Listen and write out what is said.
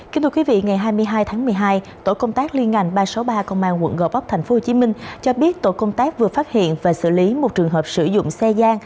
kính thưa quý vị ngày hai mươi hai tháng một mươi hai tổ công tác liên ngành ba trăm sáu mươi ba công an quận gò vấp tp hcm cho biết tổ công tác vừa phát hiện và xử lý một trường hợp sử dụng xe gian